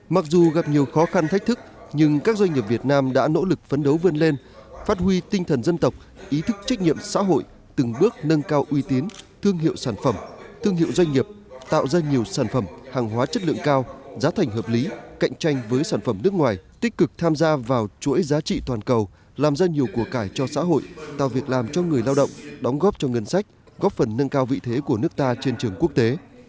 mặc dù gặp nhiều khó khăn thách thức nhưng các doanh nghiệp việt nam đã nỗ lực phấn đấu vươn lên phát huy tinh thần dân tộc ý thức trách nhiệm xã hội từng bước nâng cao uy tín thương hiệu sản phẩm thương hiệu doanh nghiệp tạo ra nhiều sản phẩm hàng hóa chất lượng cao giá thành hợp lý cạnh tranh với sản phẩm nước ngoài tích cực tham gia vào chuỗi giá trị toàn cầu làm ra nhiều cuộc cải cho xã hội tạo việc làm cho người lao động đóng góp cho ngân sách góp phần nâng cao vị thế của nước ta trên trường quốc tế